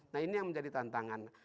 nah ini yang menjadi tantangan